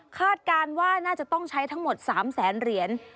คาดการณ์ว่าน่าจะต้องใช้ทั้งหมด๓๐๐๐๐๐เหรียญ